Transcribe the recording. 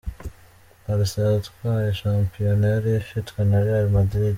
Barca yatwaye shampiyona yari ifitwe na Real Madrid .